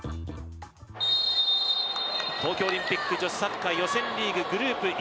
東京オリンピック女子サッカー予選リーググループＢ。